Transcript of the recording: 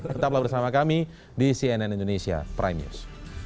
tetaplah bersama kami di cnn indonesia prime news